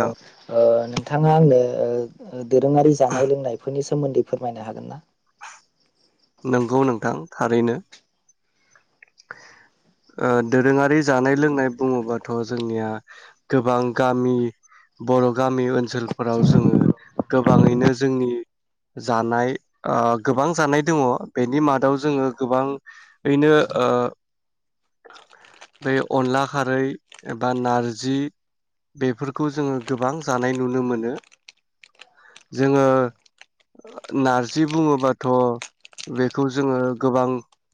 औ ओ नोंथाङा आंनो ओ ओ दोरोङारि जानाय लोंनायफोरनिस सोमोन्दै फोरमायनो हागोन ना? नोंगौ नोंथां थारैनो ओ दोरोङारि जानाय लोंनाय बुङोबाथ' जोंनिया गोबां गामि बर' गामि ओनसोलफोराव जोङो गोबाङैनो जोंनि जानाय ओ गोबां जानाय दङ बेनि मादाव जोङो गोबाङैनो ओ बे अनला खारै एबा नारजि बेफोरखौ जोङो गोबां जानाय नुनो मोनो जोङो नारजि बुङोबाथ' बेखौ जोङो गोबां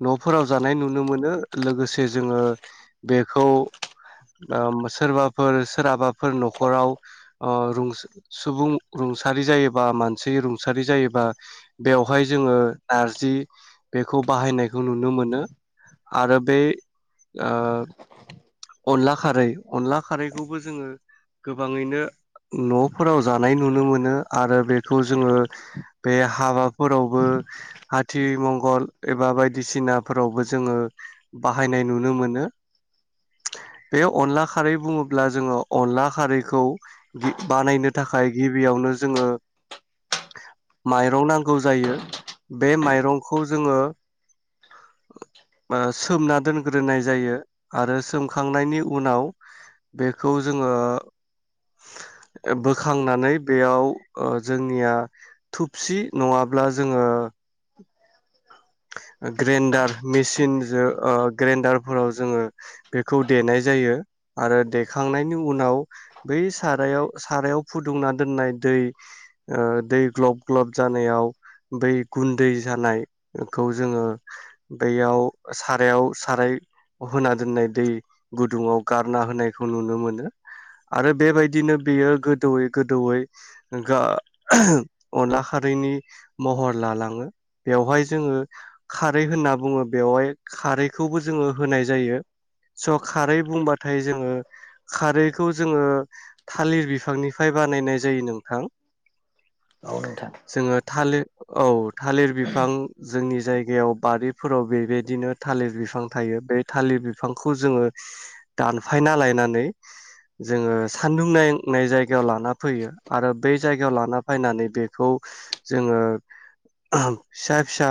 न'फोराव जा नाय नुनो मोनो लोगोसे जोङो बेखौ सोरबाफोर सोरहाबाफोर न'खराव ओ सुंबुं रुंसारि जायोबा मानसि रुंसारि जायोबा बेवहाय जोङो नारजि बेखौ बाहायनायखौ नुनो मोनो। आरो बे ओ अनला खारै अनला खारैखौबो जोङो गोबाङैनो न'फोराव जानाय नुनो मोनो आरो बेखौ जोङो बे हाबाफोरावबो हाथिमंगल एबा बायदिसिनाफोरावबो जोङो बाहायनाय नुनो मोनो बे अनला खारै बुङोब्ला जोङो अनला खारैखौ बानायनो थाखाय गिबियावनो जोङो माइरं नांगौ जायो बे माइरंखौ जोङो सोमना दोनग्रोनाय जायो आरो सोमखांनायनि उनाव बेखौ जोङो बोखांनानै बेयाव ओ जोंनिया थुपसि नङाब्ला जोङो ग्रेन्डार मेचिनजो ओ ग्रेन्डारफोराव जोङो बेखौ देनाय जायो आरो देखांनायनि उनाव बै सारायाव सारायाव फुदुंना दोननाय दै ओ दै ग्लब ग्लब जानायाव बै गुन्दै जानाय खौ जोङो दैयाव सारायाव साराय होना दोननाय दै गुदुङाव गारना होनायखौ नुनो मोनो आरो बेबायदिनो बेयो गोदौयै गोदौयै गा अनला खारैनि महर लालाङो बेवहाय जोङो खारै होनना बुङो बेवहाय खारैखौबो जोङो होनाय जायो स' खारै बुंबाथाय जोङो खारैखौ जोङो थालिर बिफांनिफ्राय बानायनाय जायो नोंथां। औ नोंथां। जोङो थालिर औ थालिर बिफां जोंनि जायगायाव बारिफोराव बेबायदिनो थालिर बिफां थायो बे थालिर बिफांखौ जोङो दानफायना लायनानै जोङो सान्दुं नांनाय जाय गायाव लाना फैयो आरो बे जायगायाव लाना फैनानै बेखौ जोङो फिसा फिसा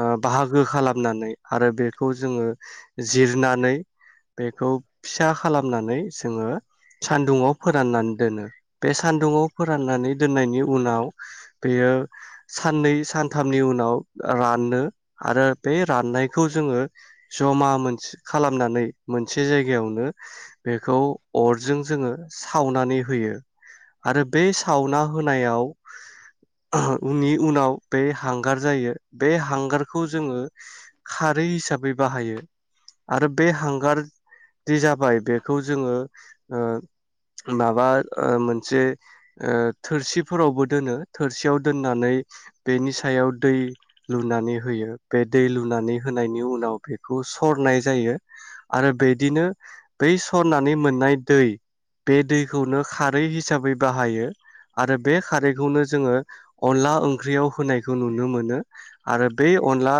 ओ बाहागो खालामनानै आरो बेखौ जोङो जिरनानै बेखौ फिसा खालामनानै जोङो सानदुङाव फोराननानै दोनो बे सानदुङाव फोराननानै दोननायनि उनाव बेयो साननै सानथामनि उनाव रानो आरो बे राननायखौ जोङो जमा मोनसे खालामनानै मोनसे जायगायावनो बेखौ अरजों जोङो सावनानै होयो आरो बे सावना होनायाव उनि उनाव बे हांगार जायो बे हांगारखौ जोङो खारै हिसाबै बाहायो आरो बे हांगार जि जाबाय बेखौ जोङो ओ माबा ओ मोनसे ओ थोरसिफोरावबो दोनो थोरसियाव दोननानै बेनि सायाव दै लुनानै होयो बे दै लुनानै होनायनि उनाव बेखौ सरनाय जायो आरो बिदिनो बै सरनानै मोननाय दै बे दैखौनो खारै हिसाबै बाहायो आरो बे खारैखौनो जोंङो अनला ओंख्रियाव होनायखौ नुनो मोनो। आरो बे अनला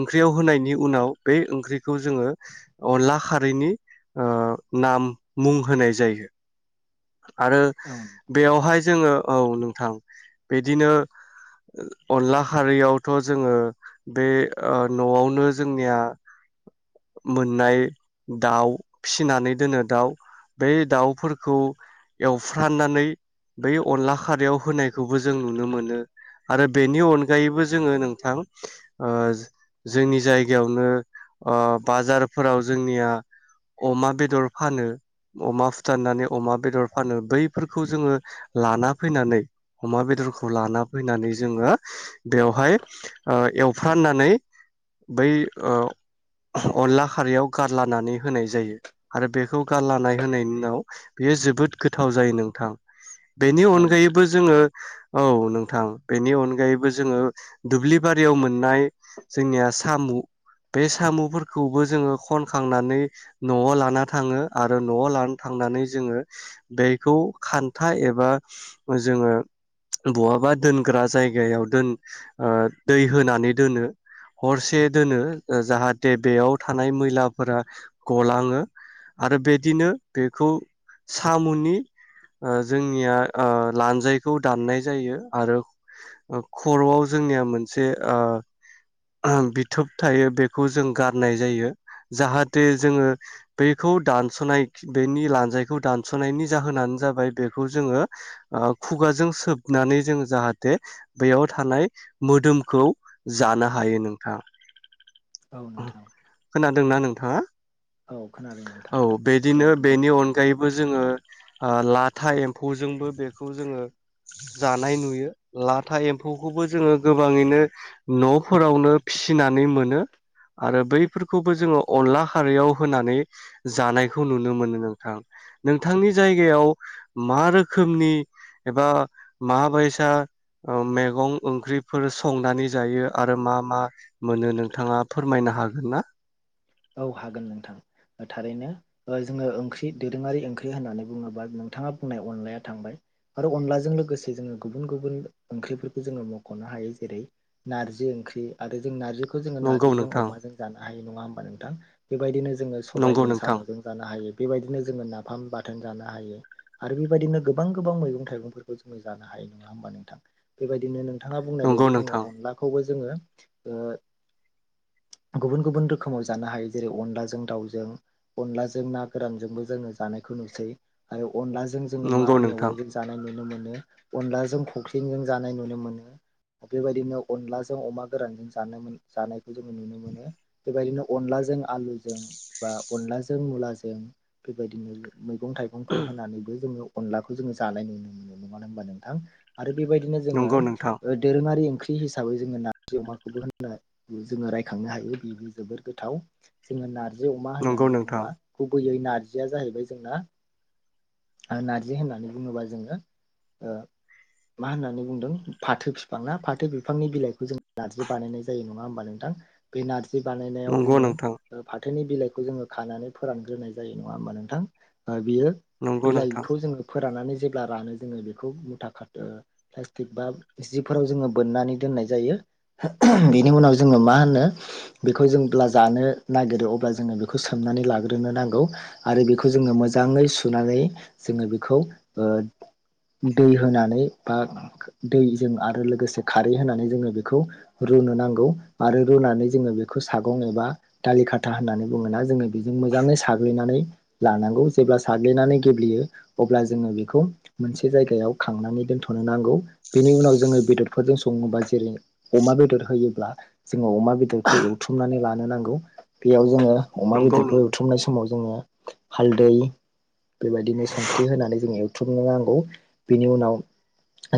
ओंख्रियाव होनायनि उनाव बे ओंख्रिखौ जोंङो अनला खारैनि ओ नाम मुं होनाय जायो। आरो औ नोंथां बेयावहाय जोंङो औ नोंथां बिदिनो अनला खारैयावथ' जोंङो बे ओ नआवनो जोंनिया मोननाय दाउ फिसिनानै दोनो दाउ बे दाउफोरखौ एवफ्राननानै बै अनला खारयाव होनायखौबो जों नुनो मोनो आरो बेनि अनगायैबो जोंङो नोंथां ओ औ जोंनि जायगायावनो बाजारफोराव जोंनिया अमा बेदर फानो अमा फुथारनानै अमा बेदर फानो बै फोरखौ जोंङो लाना फैनानै अमा बेदरखौ लाना फैनानै जोङो बेयावहाय ओ एवफ्रमनानै बै ओ अनला खारैयाव गारलानानै होनाय जायो आरो बेखौ गारलानाय होनायनि उनाव बेयो जोबोद गोथाव जायो नोंथां। बेनि नोंथां अनगायैबो जोंङो औ नोंथां बेनि अनगायैबो जोंङो दुब्लि बारियाव मोननाय जोंनिया सामु बे सामुफोरखौबो जोंङो खनखांनानै नआव लाना थांङो आरो नआव लाना थांनानै जोंङो बेखौ खान्था एबा जोंङो बहाबा दोनग्रा जायगायाव दोन ओ दै होनानै दोनो हरसे दोनो जाहाथे बेेयाव थानाय मैलाफोरा गलांङो आरो बिदिनो बेखौ सामनि ओ जोंनिया लानजायखौ दाननाय जायो आरो खरआव जोंनिया मोनसे बिथोब थायो बेखौ जों गारनाय जायो जाहाथे जोंङो बेखौ दानसनाय बेनि लानजाय खौ दानसनायनि जाहोनानो जाबाय बेखौ जोंङो खुगाजों सोबनानै जोंङो जाहाथे बेयाव थानाय मोदोमखौ जानो हायो नोंथां। औ नोंथां। दोंना नोंथाङा? औ खोनादों नोंथां औ बिदिनो ओ बेनि अनगायै बो जोंङो ओ लाथा एम्फौजोंबो बेखौ जोंङो जानाय नुयो लाथा एम्फौखौबो जोंङो गोबाङैनो नफोरावनो फिसिनानै मोनो आरो बैफोरखौबो जोंङो अनला खारैयाव होनानै जानायखौ नुनो मोनो नोंथां। नोंथांनि जायगायाव मा रोखोमनि एबा माबायसा मेगं ओंख्रिफोर संनानै जायो आरो मा-मा मोनो नोंथांङा फोरमायनो हागोन ना? औ हागोन नोंथां। थारैनो जोंङो ओंख्रि दोरोङारि ओंख्रि होननानै बुंङोबा नोंथांङा बुंनाय अनलाया थांबाय आरो अनलाजों लोगोसे जोंङो गुबुन गुबुन ओंख्रिफोरखौ जोंङो मख'नो हायो जेरै नारजि ओंख्रि आरो जों नारजि खौ जोङो नंगौ नारजिजों नोंथां अमाजों जानो हायो नंङा होमबा नों थां बेबायदिनो जोंङो नंगौ सबायजों नोंथां सामजों जानो हायो। बेबायदिनो जोङो नाफाम बाथोन जानो हायो आरो बेबायदिनो गोबां गोबां मैगं थाइगंफोरखौ जोङो जानो हायो नङा होमबा नोंथां बेबायदिनो नों थाङा बुंनाय नंगौ बायदि जोंङो नोंथां अनलाखौबो जोङो ओ गुबुन गुबुन रोखोमाव जानो हायो जेरै अनलाजों दाउजों अनलाजों ना गोरानजोंबो जोङो जानायखौ नुसै आरो अनलाजों जोङो मा नंगौ नोंथां मेवाइजों जानाय नुनो मोन मोनो अनलाजों खख्लिंजों जानाय नुनो मोनो बेबायदिनो अनलाजों अमा गोरानजों जानो मोन जानायखौ जोङो नुनो मोनो बेबायदिनो अनलाजों आलुजों बा अनलाजों मुलाजों बेबायदिनो मैगं थाइगंफोर होनानैबो जोंनियाव अनलाखौ जोङो जानाय नुनो मोनो नङा नोमबा नोंथां आरो बेबायदिनो जोङो नंगौ नोंथां ओ दोरोङारि ओंख्रि हिसाबै जोङो नारजि अमाखौबो होननो [unintelligible] जोङो रायखांनो हायो बिबो जोबोर गोथ थाव जोङो नार जि अमा नंगौ होननानै नोंथां बुङोबा गुबैयै नारजिया जाहैबाय जोंना नारजि होननानै बुङोबा जोङो ओ मा होननानै बुंदों फाथो बिफां ना फाथो बिफांनि बिलाइखौ जों नारजि बानायनाय जायो नङा होमबा नोंथां बे नारजि जि बानायनायाव नंगौ जोङो नोंथां ओ फाथो नि बिलाइखौ जोङो खानानै फोरानग्रोनाय जायो नङा होमबा नोंथां? ओ बियो नंगौ नोंथां बिलाइखौ जोङो फोराननानै जेब्ला रानो जोङो बेखौ मुथा खाथो ओ प्लास्टिक बा जिफोराव जोङो बोननानै दोननाय जायो बेनि उनाव जोङो मा होनो बेखौ जों अब्ला जानो नागिरो अब्ला जोङो बेखौ सोमनानै लाग्रोनो नांगौ आरो बेखौ जोङो मोजाङै सुनानै जोङो बेखौ ओ दै होनानै बा दै जों आरो लोगोसे खारै होनानै जोङो बेखौ रुनो नांगौ आरो रुनानै जोङो बेखौ सो सागं एबा दालि खाथा होननानै बुङोना जोङो बेजों मोजाङै साग्लिनानै लानांगौ जेब्ला साग्लिनानै गेब्लेयो अब्ला जोङो बेखौ मोनसे जायगायाव खांनानै दोनथ'नो नांगौ। बेनि उनाव जोङो बेदरफोरजों सङोबा जेरै अमा बेदर होयोब्ला ङाव अमा बेदरखौ एव वनानै लानो नांगौ। बेयाव जोङो अमा नंगौ बेदरखौ नंगौ एवथुमनाय समाव जोङो हालदै बेबायदिनो संख्रि होनानै जों एवथ्रुमनो नांगौ। बेनि उनाव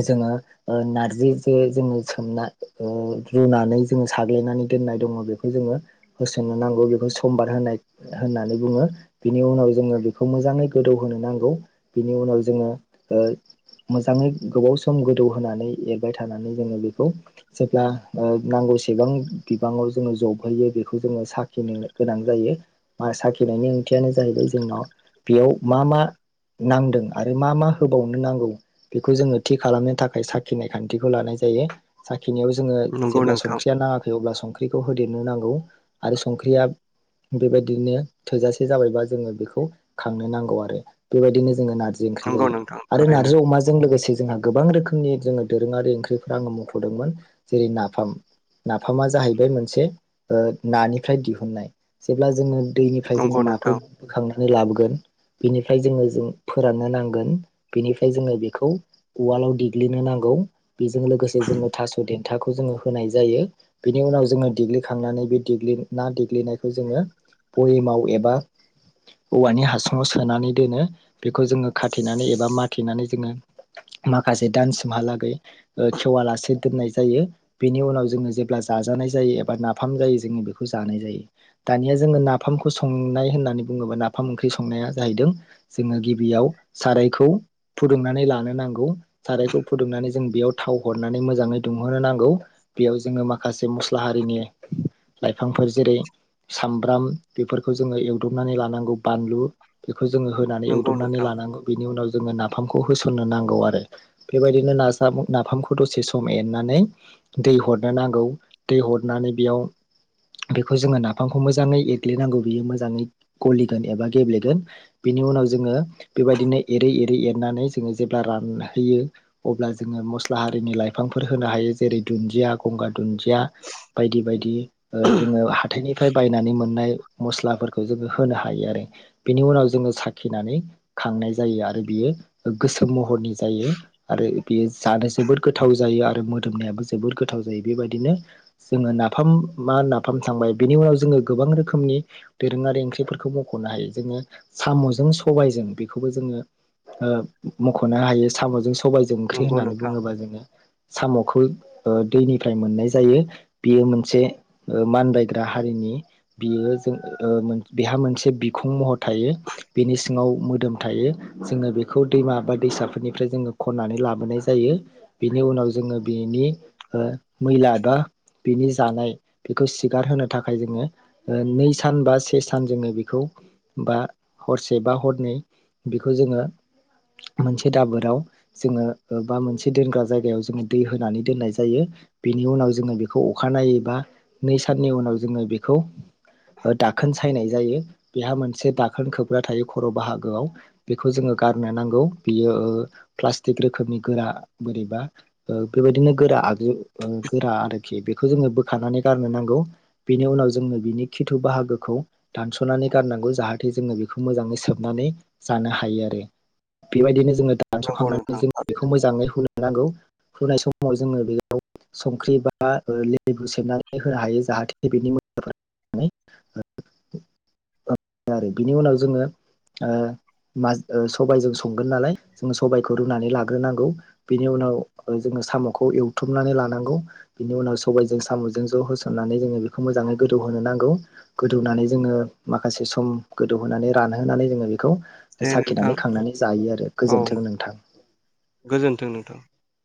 जोङो ओ नारजि जे जोङो सोमना ओ रुनानै जोङो साग्लिनानै दोननाय दङ' बे खौ जोङो होसोननो नांगौ बेखौ समबार होनाय होननानै बुङो। बिनि उनाव जोङो बेखौ मोजाङै गोबाव सम गोदौ होनो नांगौ बिनि उनाव जोङो मोजाङै गोबाव सम गोदौ होनानै एरबाय थानानै जोङो बेखौ जेब्ला ओ नांगौसेबां बिबाङाव जो ङो जब होयो बेखौ जोङो साखिनो गोनां जायो। साखिनायनि ओंथियानो जाहैबाय जोंनाव बेयाव मा मा नांदों आरो मा मा होबावनो नांगौ बेखौ जोङो थि खालामनो थाखाय साखिनाय खान्थिखौ लानाय जायो। साख खिनायाव जोङो नंगौ जेब्ला नोंथां संख्रिया नाङाखै अब्ला संख्रि खौ होदेरनो नांगौ आरो संख्रिया बेबायदिनो थोजासे जाबायबा जोङो बेखौ खांनो नांगौ आरो। बेबायदिनो जोङो ना जि ओंख्रि नंगौ जायो। नोंथां आरो थारैनो नारजि अमाजों लोगोसे जोंहा गोबां रोखोमनि जोङो दोरोङारि ओंख्रिफोरा आङो मुंख'दोंमोन जेरै नाफाम नाफामा जाहैब बाय मोनसे ओ नानिफ्राय दिहुननाय। जेब्ला जोङो दैनिफ्राय जोङो नंगौ नाखौ नोंथां बोखांनानै लाबोगोन बेनिफ्राय जोङो जों फोराननो नांगोन बेनिफ्राय जोङो बेखौ उवालाव देग्लिनो नांगौ। बेजों लोगोसे जोंनो थास' देन्थाखौ जोङो होनाय जायो। बेनि उनाव जों जोङो देग्लिखांनानै बे देग्लि ना देग्लिनायखौ जोङो बयेमाव एबा औवानि हासुङाव सोनानै दोनो बेखौ जोङो खाथेनानै एबा माथेनानै जोङो माखासे दानसिमहालाै खेवालासे दोननाय जायो। बेनि उनाव जोङो जेब्ला जा जानाय जायो एबा नाफाम जायो जोङो बेखौ जानाय जायो। दानिया जोङो नाफामखौ संनाय होननानै बुङोबा नाफाम ओंख्रि संनाया जाहैदों जोङो गिबियाव सारायखौ फुदुंनानै लानो नांगौ, सारायखौ फुदुंनानै जों बेयाव थाव हरनानै मोजाङै दुंहोनो नांगौ, बेयाव जोङो माखासे मस्ला हारिनि लाइफांफोर जेरै सामब्राम बेफोरखौ जोङो एवदबनानै लानांगौ। बानलु बेखौ जोङो होनानै नंगौ एवदबनानै नोंथां लानांगौ। बेनि उनाव जोङो नाफामखौ होस'ननो नांगौ आरो बेबायदिनो नासाब नाफामखौ दसे सम एरनानै दै हरनो नांगौ। दै हरनानै बेयाव बेखौ जोङो नाफामखौ मोजाङै एरग्लिनांगौ बियो मोजाङै गलिगोन एबा गेब्लेगोन बेनि उनाव जोङो बेबायदिनो एरै एरै एरनानै जोङो जेब्ला रानहोयो अब्ला जोङो मस्ला हारिनि लाइफांफोर होनो हायो। जेरै दुन्दिया, गंगार दुन्दिया बायदि बायदि। ओ जोङो हाथायनि फ्राय बायनानै मोननाय मस्लाफोरखौ जोङो होनो हायो आरो। बेनि उनाव जोङो साखिनानै खांनाय जायो, आरो बियो गोसोम महरनि जायो, आरो बेयो जानो जोबोर गोथाव जायो, आरो मोदोमनायाबो जोबोर गोथाव जायो बेबायदिनो जोङो नाफाम मा नाफाम थांबाय बेनि उनाव जोङो गोबां रोखोमनि दोरोङारि ओंख्रिफोरखौ मख'नो हायो। जोङो साम'जों सबायजों बेखौबो जोङो मख'नो हायो सबायजों ओंख्रि नंगौ होननानै नोंथां बुङोबा जोङो साम' खौ ओ दैनिफ्राय मोननाय जायो। बियो मोनसे ओ मानबायायग्रा हारिनि बियो जों बेहा मोनसे बिखुं महर थायो, बेनि सिङाव मोदोम थायो, जोङो बेखौ दैमा बा दैसाफोरनिफ्राय जोङो खननानै लाबोनाय जायो, बेनि उनाव जोङो बेनि ओ मैला बा बिनि जानाय बेखौ सिगारहोनो थाखाय जोङो नै सान बा से सान जोङो बेखौ बा हरसे बा हरनै बेखौ जोङो मोनसे दाबोराव जोङो बा मोनसे दोनग्रा जायगा बेयाव जोङो दै होनानै दोननाय जायो। बिनि उनाव जोङो बे खौ अखानायनायैोबा नै साननि उनाव जोङो बेखौ दाखोन सायनाय जायो। बेहा मोनसे दाखोन खोबग्रा थायो खर' बाहागोआव बेखौ जोङो गारनो नांगौ बेयो ओ प्लास्टिक रोखोमनि गोरा बोरैबा ओ बेबायदिनो गोरा आगजु गोरा आरो - बेखौ जोङो बोखारनानै गारनो नांगौ बेनि उनाव जोङो बिनि खिथु बाहागोखौ दानस'नानै गारनांगौ जाहाथे जोङो मोजाङै सोबनानै जानो हायो आरो बेबायदिनो जोङो नंगौ दानस'खांनानै नोंथां जों बेखौ थारैनो मोजाङै हुनो नांगौ [unintelligible] बा लेबु सेबनानै होनो हायो जाहाथे बेफोरनि [inaudible] बिनि उनाव जोङो ओ सबायजों संगोन नालाय जोङो सबायखौ रुनानै लाग्रोनांगौ बिनि उनाव जोङो साम'खौ एवथुमनानै लानांगौ बिनि उनाव सबायजों साम'जों ज' होसननानै जोङो बेखौ मोजाङै गोदौहोनो नांगौ, गोदौनानै जोङो माखासे सम गोदौहोनानै रानहोनानै जोङो बेखौ दे नोंथां साखिनानै खांनानै जायो आरो गोजोनथों नोंथां। थों नोंथां।